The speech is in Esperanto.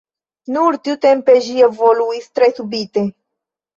Nur tiutempe ĝi evoluis tre subite.